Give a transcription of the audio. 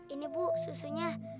ini bu susunya